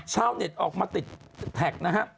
ชาวเน็ตออกมาติดแท็กนะฮะ